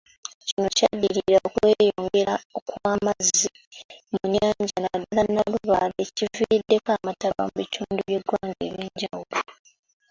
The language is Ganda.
Kino kyaddirira okweyongera kw'amazzi mu nnyanja naddala Nalubaale ekiviiriddeko amataba mu bitundu by'eggwanga ebyenjawulo.